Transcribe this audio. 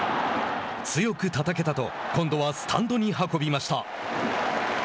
強くたたけたと、今度はスタンドに運びました。